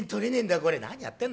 おい何やってんだ。